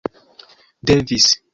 devis